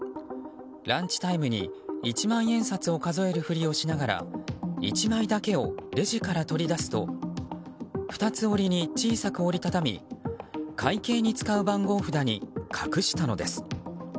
ランチタイムに一万円札を数えるふりをしながら１枚だけをレジから取り出すと二つ折りに小さく折り畳み会計に使う番号札に隠したのです。